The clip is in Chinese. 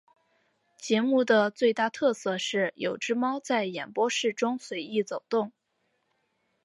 节目的最大特色是有只猫在演播室中随意走动。